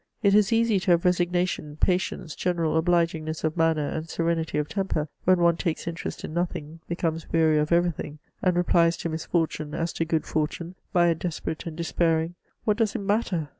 It is easy to have resignation, patience, general obligingness of manner, and serenity of temper, when one takes interest in nothing, becomes weary of everything, and replies to misfortune as to good fortune by a desperate and de spairing, " What does it matter